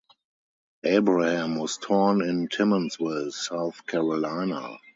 Abraham was born in Timmonsville, South Carolina.